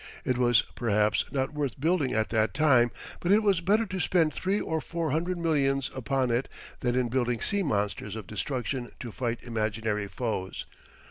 It was perhaps not worth building at that time, but it was better to spend three or four hundred millions upon it than in building sea monsters of destruction to fight imaginary foes.